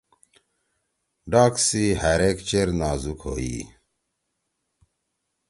ڈاک سی ہروک چیر نازُک ہوئی۔